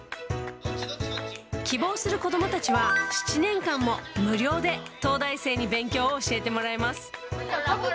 希望する子どもたちは、７年間も無料で東大生に勉強を教えてもらえます。